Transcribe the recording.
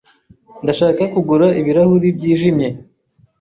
Ndashaka kugura ibirahuri byijimye.